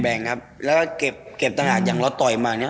แบ่งครับแล้วก็เก็บตระหากอย่างเราต่อยมาเนี่ย